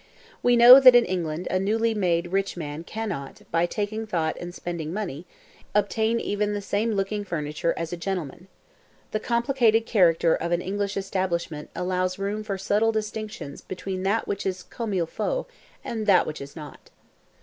We know that in England a newly made rich man cannot, by taking thought and spending money, obtain even the same looking furniture as a gentleman. The complicated character of an English establishment allows room for subtle distinctions between that which is comme il faut, and that which is not.